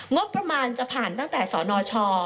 งบประมาณจะผ่านตั้งแต่สนช